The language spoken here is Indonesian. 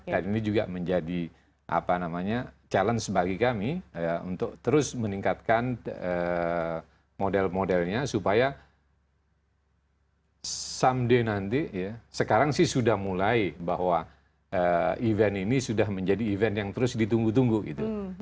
dan ini juga menjadi challenge bagi kami untuk terus meningkatkan model modelnya supaya someday nanti sekarang sih sudah mulai bahwa event ini sudah menjadi event yang terus ditunggu tunggu gitu